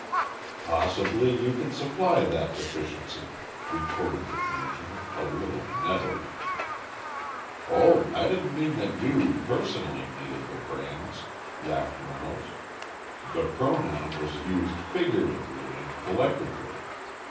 "Possibly you can supply that deficiency," retorted the Commissioner, a little nettled. "Oh, I didn't mean that you, personally, needed the brains," laughed Reynolds. "The pronoun was used figuratively and collectively.